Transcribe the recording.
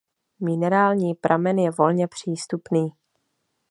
Minerální pramen je volně přístupný.